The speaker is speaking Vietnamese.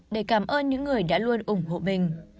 để cảm ơn những người đã luôn ủng hộ mình